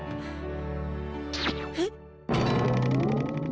えっ！